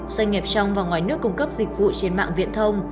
doanh nghiệp trong và ngoài nước cung cấp dịch vụ trên mạng viễn thông